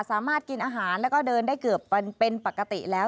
สามารถกินอาหารแล้วก็เดินได้เกือบเป็นปกติแล้ว